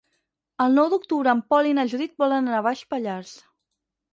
El nou d'octubre en Pol i na Judit volen anar a Baix Pallars.